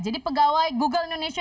jadi pegawai google indonesia